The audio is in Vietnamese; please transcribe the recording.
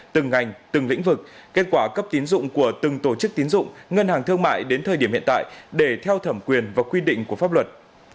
từng ngành từng lĩnh vực kết quả cấp tín dụng của từng tổ chức tín dụng ngân hàng thương mại đến thời điểm hiện tại để theo thẩm quyền và quy định của pháp luật